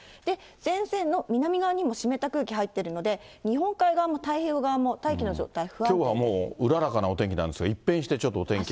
前線の南側にも湿った空気入ってるので、日本海側も太平洋側も大きょうはうららかなお天気なんですが、一変してちょっとお天気